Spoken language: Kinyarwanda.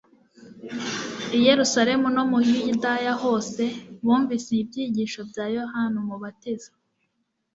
I Yerusalemu no mu Yudaya hose bumvise ibyigisho bya Yohana Umubatiza,